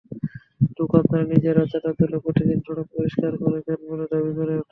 দোকানদারেরা নিজেরা চাঁদা তুলে প্রতিদিন সড়ক পরিষ্কার করে দেন বলে দাবি করেন।